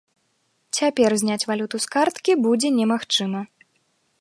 Цяпер зняць валюту з карткі будзе немагчыма.